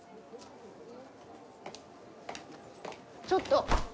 ちょっと！